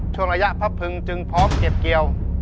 ช่วงระยะพระพึงจึงพร้อมเก็บเกี่ยว